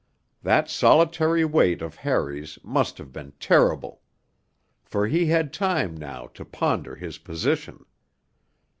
That solitary wait of Harry's must have been terrible; for he had time now to ponder his position.